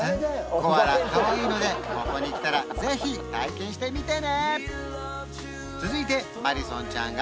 コアラかわいいのでここに来たらぜひ体験してみてね！